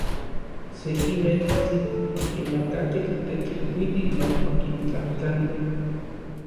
Seki meetstli okimakakej Tetlikuiti non okintlajtlani.